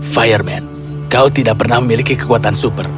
fireman kau tidak pernah memiliki kekuatan super